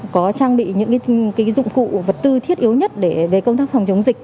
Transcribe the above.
có trang bị những dụng cụ vật tư thiết yếu nhất để về công tác phòng chống dịch